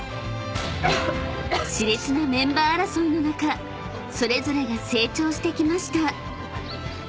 ［熾烈なメンバー争いの中それぞれが成長してきました］